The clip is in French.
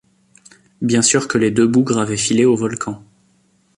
Bien sûr que les deux bougres avaient filé au Volcan.